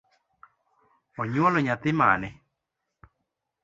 Onyuolo nyathi mane?